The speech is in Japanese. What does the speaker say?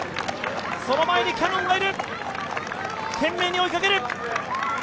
その前にキヤノンがいる懸命に追いかける！